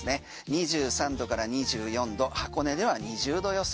２３度から２４度箱根では２０度予想。